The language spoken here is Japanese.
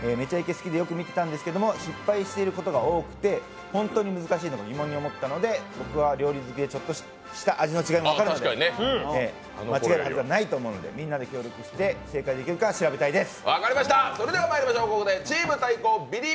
好きでよく見てたんですけど、本当に難しいのか疑問に思ったので僕は料理好きで、ちょっとした味の違いも分かるので、間違えるはずはないのでみんなで協力して正解できるか調べたいです。